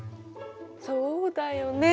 そうだよね。